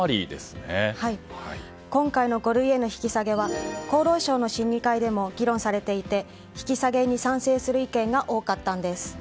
今回の五類への引き下げは厚労省の審議会でも議論されていて引き下げに賛成する意見が多かったんです。